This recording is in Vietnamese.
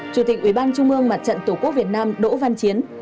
chủ tịch ủy ban trung ương mặt trận tổ quốc việt nam đỗ văn chiến